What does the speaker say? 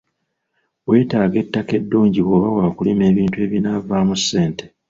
Weetaaga ettaka eddungi bw'oba waakulima ebintu ebinaavaamu ssente.